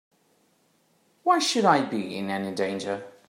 Why should I be in any danger?